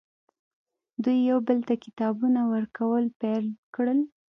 دوی یو بل ته کتابونه ورکول پیل کړل